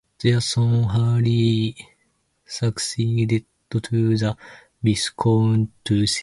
Their son Henry succeeded to the viscountcy.